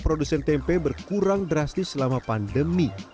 produsen tempe berkurang drastis selama pandemi